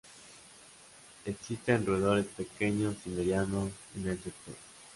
Existen roedores pequeños y medianos en el sector.